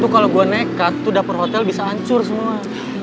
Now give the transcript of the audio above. kalau gue nekat itu dapur hotel bisa hancur semua